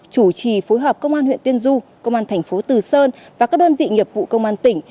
chủ trì phối hợp công an huyện tiên du công an thành phố từ sơn và các đơn vị nghiệp vụ công an tỉnh